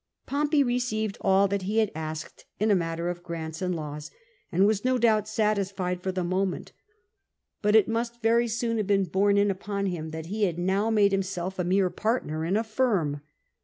Pompey received all that he had asked in the matter of grants and laws, and was, no doubt, satisfied for the moment ; but it must very soon have been bonxe in upon him that he had now made himself a mere partner in a firm.